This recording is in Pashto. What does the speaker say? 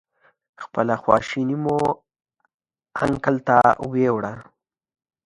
خپله خواشیني مو انکل ته ویوړه.